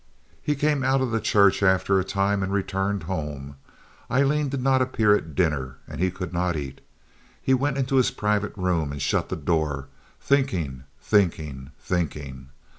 He came out of the church after a time and returned home. Aileen did not appear at dinner, and he could not eat. He went into his private room and shut the door—thinking, thinking, thinking.